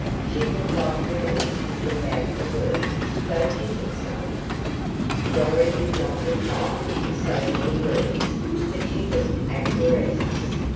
She will likely manage to keep out of the work, don't you think so?" Cora did not reply in so many words, but she looked acquiescence.